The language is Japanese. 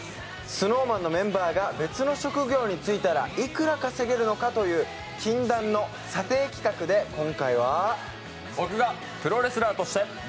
ＳｎｏｗＭａｎのメンバーが別の職業に就いたらいくら稼げるのかという禁断の査定企画で、今回は僕がプロレスラーとして。